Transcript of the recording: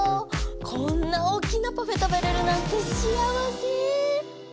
こんなおっきなパフェ食べれるなんてしあわせ！